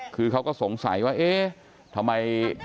คือเขาก็สงสัยว่าเอ๊ะทำไม